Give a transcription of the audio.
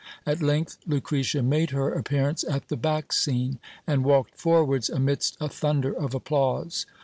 At length Lucretia made her appearance at the back scene, and walked forwards amidst a thunder of applause.